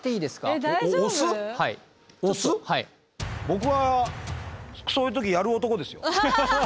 僕はそういう時やる男ですよ。